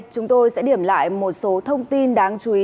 chúng tôi sẽ điểm lại một số thông tin đáng chú ý